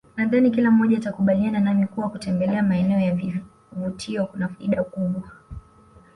Nadhani kila mmoja atakubaliana nami kuwa kutembelea maeneo ya vivutio kuna faida kubwa